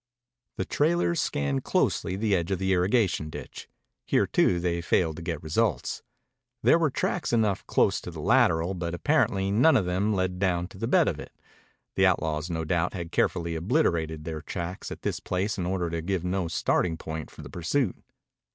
The trailers scanned closely the edge of the irrigation ditch. Here, too, they failed to get results. There were tracks enough close to the lateral, but apparently none of them led down into the bed of it. The outlaws no doubt had carefully obliterated their tracks at this place in order to give no starting point for the pursuit.